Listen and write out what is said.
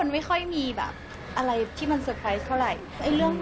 ไม่ค่อยมีแบบอะไรที่มันเตอร์ไพรส์เท่าไหร่